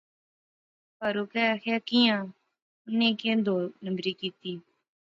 فاروقے آخیا کیاں اُنی کیہہ دو نمبر کیتی